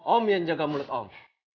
om yang jaga mulut om